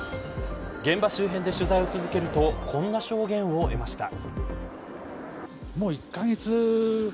現場周辺で取材を続けるとこんな証言を得ました。